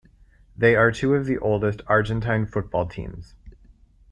They are two of the oldest Argentine football teams.